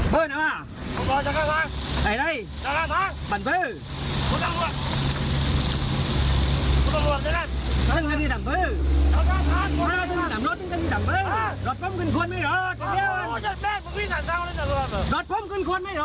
เบอร์ไหนว่าต้องกลัวจักรภาคไอ้ไรจักรภาคบรรเฟอร์